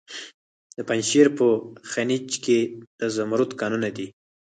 د پنجشیر په خینج کې د زمرد کانونه دي.